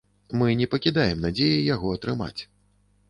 Мы не пакідаем надзеі яго атрымаць.